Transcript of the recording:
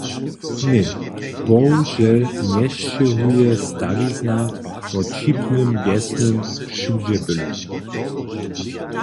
Ně, bohužel njesćěhuje stawizna wo wćipnym wjesnym wšudźebyle.